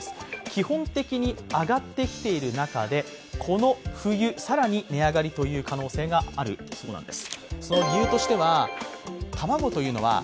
基本的に上がってきている中でこの冬、更に値上がりという可能性があるそうなんです。